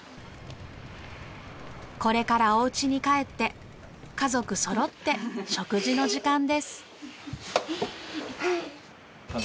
これからお家に帰って家族そろって食事の時間です。